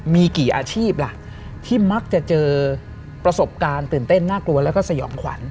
มีกี่อาชีพล่ะที่มักจะเจอประสบการณ์ตื่นเต้นน่ากลัวแล้วก็สยองขวัญ